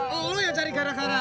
lu yang cari gara gara